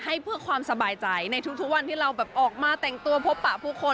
ให้เพื่อความสบายใจในทุกวันที่เราแบบออกมาแต่งตัวพบปะผู้คน